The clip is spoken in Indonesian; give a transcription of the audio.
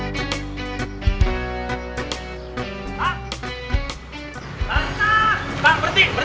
dusun yang terkejar pada